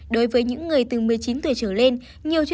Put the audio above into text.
đối với những người từ một mươi chín tuổi trở lên